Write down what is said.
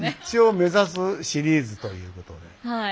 一応目指すシリーズということで。